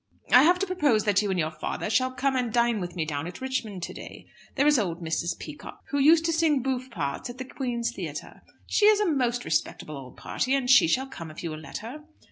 "I have to propose that you and your father shall come and dine with me down at Richmond to day. There is old Mrs. Peacock, who used to sing bouffe parts at the Queen's Theatre. She is a most respectable old party, and she shall come if you will let her."